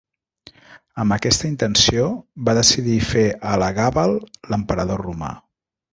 Amb aquesta intenció, va decidir fer Elagàbal l'emperador romà.